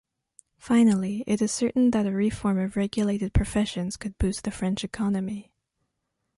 Finally, it is certain that a reform of regulated professions could boost the French economy.